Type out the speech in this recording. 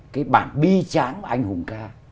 cái bản bi tráng của anh hùng ca